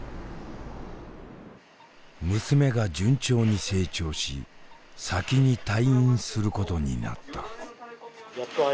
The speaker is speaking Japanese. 娘が順調に成長し先に退院することになった。